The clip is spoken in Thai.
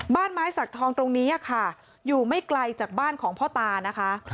บ้านไม้สักทองตรงนี้ค่ะอยู่ไม่ไกลจากบ้านของพ่อตานะคะ